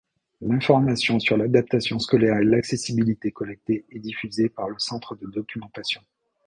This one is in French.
L’information sur l’adaptation scolaire et l’accessibilité collectée et diffusée par le centre de documentation.